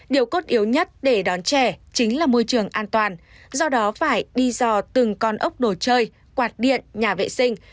điều cốt yếu nhất để đón trẻ chính là môi trường an toàn do đó phải đi dò từng con ốc đồ chơi quạt điện nhà vệ sinh